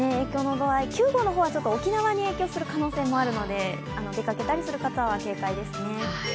９号の方は沖縄に影響する可能性もあるので、出かけたりする方は警戒ですね。